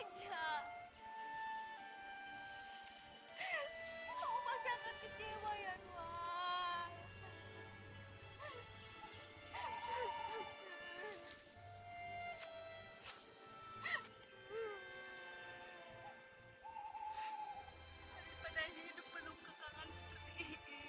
jangan jangan nenek itu